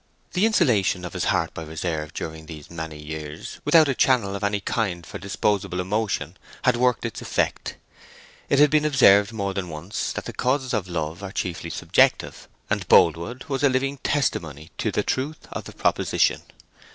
The insulation of his heart by reserve during these many years, without a channel of any kind for disposable emotion, had worked its effect. It has been observed more than once that the causes of love are chiefly subjective, and Boldwood was a living testimony to the truth of the proposition.